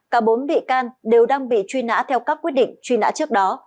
cả bốn bị can đều đang bị truy nã theo các quyết định truy nã trước đó